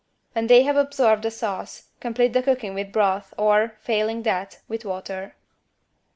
When they have absorbed the sauce, complete the cooking with broth or, failing that, with water.